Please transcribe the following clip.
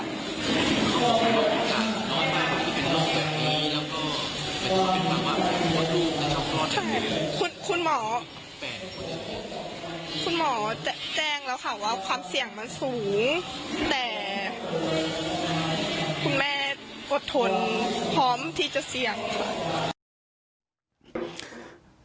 คุณหมอแจ้งคุณหมอคุณหมอแจ้งแล้วค่ะว่าความเสี่ยงมันสูงแต่คุณแม่อดทนพร้อมที่จะเสี่ยงค่ะ